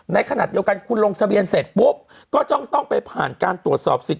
ในขณะเดียวกันคุณลงทะเบียนเสร็จปุ๊บก็ต้องไปผ่านการตรวจสอบสิทธ